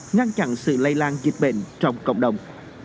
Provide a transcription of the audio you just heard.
ngăn chặn sự lây lan dịch bệnh trong cộng đồng